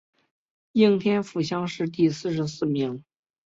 顺天府乡试第四十四名。